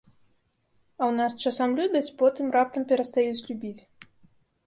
А ў нас часам любяць, потым раптам перастаюць любіць.